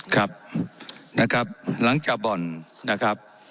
ครับนะครับหลังจากบ่อนนะครับ